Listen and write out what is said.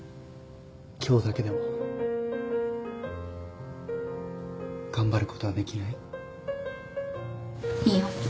今日だけでも頑張ることはできない？いいよ。